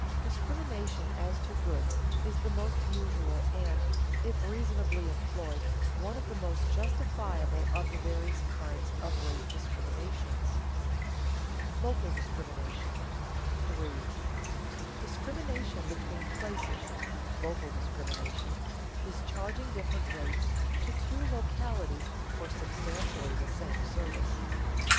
Discrimination as to goods is the most usual and, if reasonably employed, one of the most justifiable of the various kinds of rate discriminations. [Sidenote: Local discrimination] 3. _Discrimination between places (local discrimination) is charging different rates to two localities for substantially the same service.